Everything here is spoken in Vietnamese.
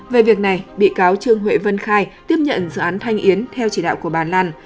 về việc này bị cáo trương huệ vân khai tiếp nhận dự án thanh yến theo chỉ đạo của bà lan